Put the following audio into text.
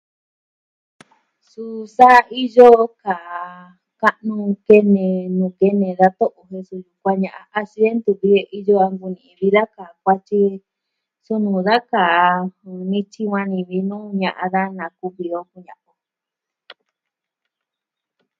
Suu sa iyo kaa, ka'nu kene nuu kene da to'o. Je suu, kuaa ña'a accidente iyo a vii da kaa kuaty. Suu nuu da kaa nityi va ñivɨ nuu ña'a da na kuvi o kuña o.